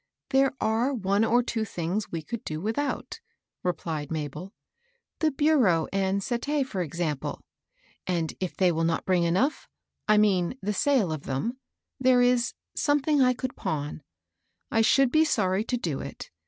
" There are one or two things we could do without," replied Mabel ;—" the bureau and set tee for instance ; and, if they will not bring enough, — I mean the sale of them, — there is — some thing — I could pawn. I should be sorry to do it.